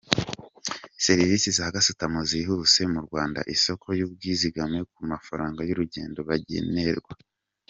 Serivisi za gasutamo zihuse mu Rwanda, isoko y’ubwizigame ku mafaranga y’urugendo bagenerwa.